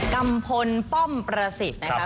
กำพลป้อมประสิทธิ์นะครับ